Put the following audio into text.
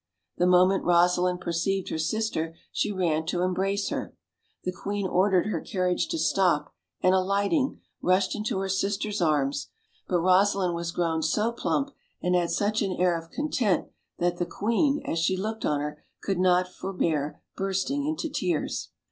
The moment Eosalind perceived her sister she ran to em brace her. The queen ordered her carriage to stop, and alighting, rushed into her sister's arms; but Eosa lind was grown so plump, and had such an air of con tent, that the queen, as she looked on her, could not for bear bursting into tears.